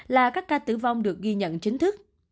là các ca tử vong được ghi nhận chính thức